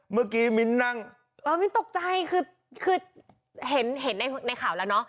เมื่อกี้มิ้นนั่งเออมิ้นตกใจคือคือเห็นเห็นในข่าวแล้วเนอะ